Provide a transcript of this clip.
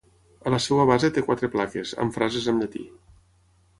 A la seva base té quatre plaques, amb frases amb llatí.